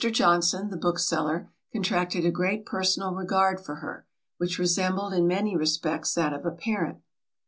Johnson, the bookseller, contracted a great personal regard for her, which resembled in many respects that of a parent.